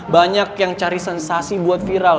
banyak yang cari sensasi buat viral